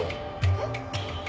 えっ？